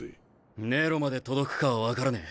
ネロまで届くかは分からねえ。